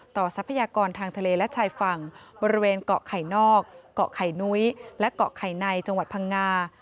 ทรัพยากรทางทะเลและชายฝั่งบริเวณเกาะไข่นอกเกาะไข่นุ้ยและเกาะไข่ในจังหวัดพังงา